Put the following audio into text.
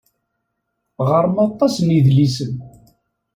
Ɣer-m aṭas n yedlisen.